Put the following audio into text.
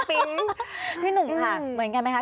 ปิ๊งพี่หนุ่มค่ะเหมือนกันไหมคะ